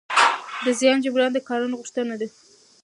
د زیان جبران د قانون غوښتنه ده.